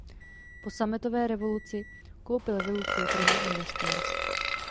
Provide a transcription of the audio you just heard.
Po sametové revoluci koupil vilu soukromý investor.